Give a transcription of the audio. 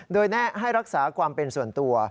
โดยแนะให้รักษาความเป็นส่วนตัว